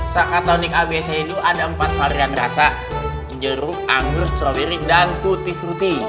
sakatonik abc ini ada empat varian rasa jeruk anggur stroberi dan tutti frutti